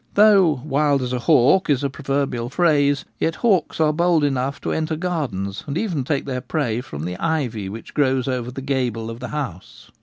Though ' wild as a hawk ' is a proverbial phrase, yet hawks are bold enough to enter gardens, and even take their prey from the ivy which grows over the gable of the house.